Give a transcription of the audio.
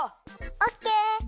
オッケー！